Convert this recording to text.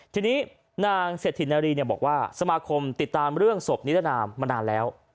ทีนี้นางเศรษฐินนารีบอกว่าสมาคมติดตามเรื่องศพนิรนามมานานแล้ว